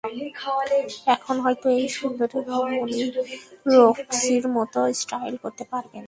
এখন হয়তো এই সুন্দরী রমণী রক্সির মতো স্টাইল করতে পারবেন।